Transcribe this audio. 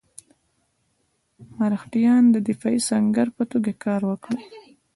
مرهټیان د دفاعي سنګر په توګه کار ورکړي.